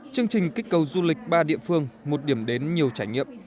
chương trình kích cầu du lịch ba địa phương một điểm đến nhiều trải nghiệm